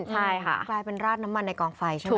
ใช่ค่ะกลายเป็นราดน้ำมันในกองไฟใช่ไหม